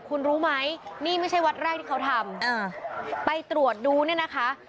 คุณรู้ไหมนี่ไม่ใช่วัดแรกที่เขาทำไปตรวจดูเนี่ยนะคะ